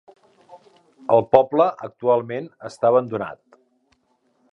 El poble actualment està abandonat.